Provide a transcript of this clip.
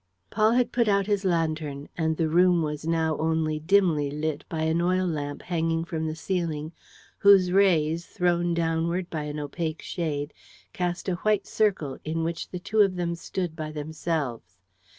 Paul had put out his lantern, and the room was now only dimly lit by an oil lamp hanging from the ceiling, whose rays, thrown downward by an opaque shade, cast a white circle in which the two of them stood by themselves.